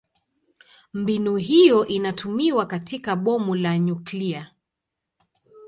Mbinu hiyo inatumiwa katika bomu la nyuklia.